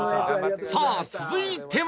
さあ続いては